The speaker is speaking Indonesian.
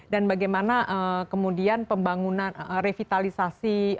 dan bagaimana kemudian pembangunan revitalisasi